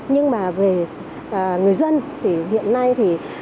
nhưng mà về người dân thì hiện nay thì